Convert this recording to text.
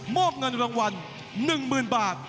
อบเงินรางวัล๑๐๐๐บาท